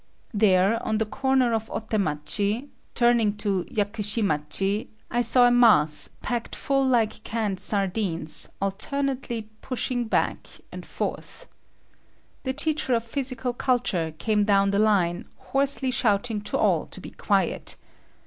There on the corner of Otemachi, turning to Yakushimachi, I saw a mass packed full like canned sardines, alternately pushing back and forth. The teacher of physical culture came down the line hoarsely shouting to all to be quiet.